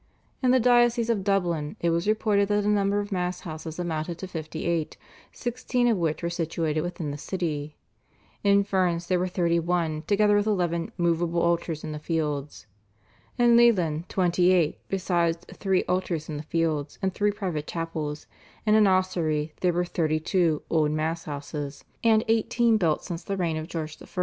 In the diocese of Dublin it was reported that the number of Mass houses amounted to fifty eight, sixteen of which were situated within the city; in Ferns there were thirty one together with eleven "moveable altars in the fields;" in Leighlin, twenty eight, besides three altars in the fields and three private chapels, and in Ossory their were thirty two "old Mass houses" and eighteen built since the reign of George I.